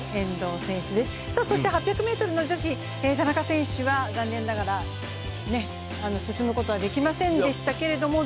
８００ｍの女子、田中選手は残念ながら進むことはできませんでしたけれども。